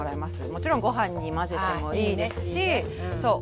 もちろんご飯に混ぜてもいいですしそう